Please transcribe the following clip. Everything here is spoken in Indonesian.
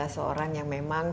seorang yang memang